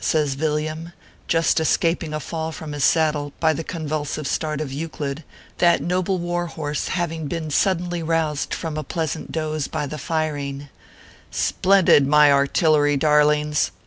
says Vil liain, just escaping a fall from his saddle by the con vulsive start of Euclid, that noble war horse having been suddenly roused from a pleasant doze by the firing " Splendid, my artillery darlings.